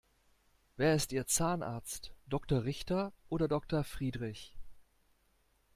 Wer ist ihr Zahnarzt? Doktor Richter oder Doktor Friedrich?